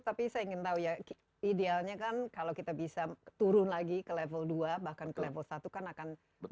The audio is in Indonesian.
tapi saya ingin tahu ya idealnya kan kalau kita bisa turun lagi ke level dua bahkan ke level satu kan akan